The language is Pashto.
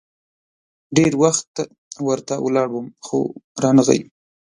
ډېر وخت ورته ولاړ وم ، خو رانه غی.